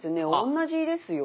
同じですよね。